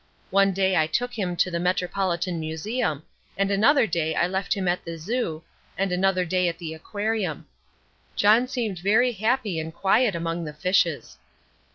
One day I took him to the Metropolitan Museum, and another day I left him at the Zoo, and another day at the aquarium. John seemed very happy and quiet among the fishes.